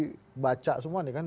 semuanya kan jadi baca semua nih kan